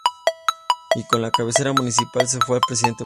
Y con la cabecera municipal se fue el presidente municipal.